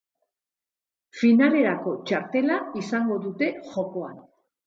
Finalerako txartela izango dute jokoan.